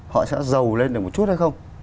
họ sẽ giàu lên được một chút hay không